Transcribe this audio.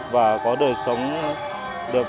và có đời sống tốt